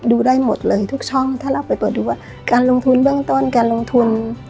ดูได้หมดเลยทุกช่องถ้าเราไปเปิดดูว่าการลงทุนเบื้องต้นการลงทุน